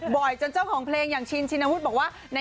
จนเจ้าของเพลงอย่างชินชินวุฒิบอกว่า